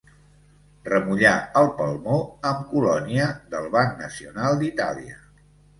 Remullà el palmó amb colònia del Banc Nacional d'Itàlia.